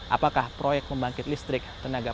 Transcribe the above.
apakah proyek membangkit listrik ini akan beroperasi